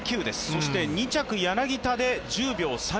そして、２着・柳田で１０秒３２。